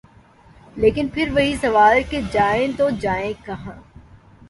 لیکن پھر وہی سوال کہ جائیں تو جائیں کہاں۔